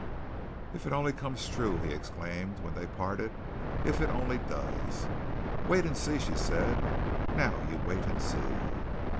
"If it only comes true," he exclaimed when they parted. "If it only does." "Wait and see," she said. "Now you wait and see."